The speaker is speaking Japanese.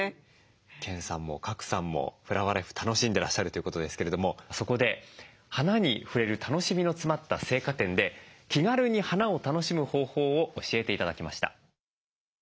研さんも賀来さんもフラワーライフ楽しんでらっしゃるということですけれどもそこで花に触れる楽しみの詰まった生花店で気軽に花を楽しむ方法を教えて頂きました。